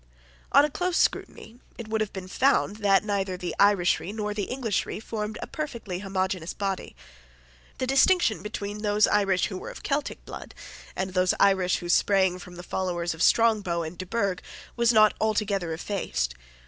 On a close scrutiny it would have been found that neither the Irishry nor the Englishry formed a perfectly homogeneous body. The distinction between those Irish who were of Celtic blood, and those Irish who sprang from the followers of Strong bow and De Burgh, was not altogether effaced.